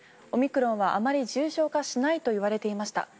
オミクロンはあまり重症化しないといわれていました。